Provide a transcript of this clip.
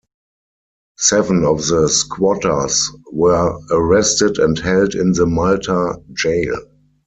Seven of the squatters were arrested and held in the Malta jail.